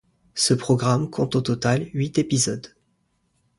Ce programme compte au total huit épisodes.